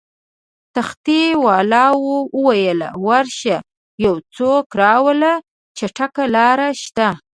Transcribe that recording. تختې والاو وویل: ورشه یو څوک راوله، چټک لاړ شه.